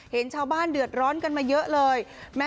เห็นชาวบ้านเดือดร้อนกันมาเยอะเลย